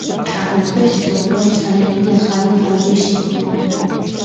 აგრეთვე შესაძლოა ცარიელი ახალი ფაილის შექმნა.